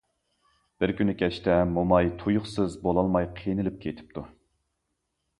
بىر كۈنى كەچتە موماي تۇيۇقسىز بولالماي قىينىلىپ كېتىپتۇ.